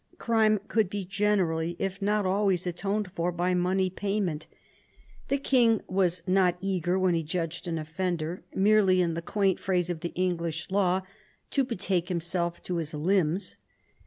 Crime could be generally, if not always, atoned for by money payment ; the king was not eager, v THE ADVANCE OF THE MONARCHY 125 when he judged an offender, merely, in the quaint phrase of the English law, "to betake himself to his limbs."